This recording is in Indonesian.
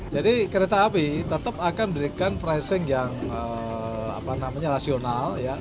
jadi kereta api tetap akan memberikan pricing yang rasional